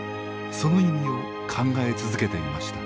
その意味を考え続けていました。